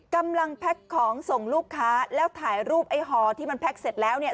แก๊กของส่งลูกค้าแล้วถ่ายรูปไอ้หอที่มันแพ็คเสร็จแล้วเนี่ย